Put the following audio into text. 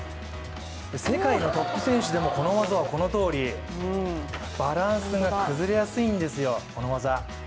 世界のトップ選手でもこの技は、このとおりバランスが崩れやすいんですよ、この技。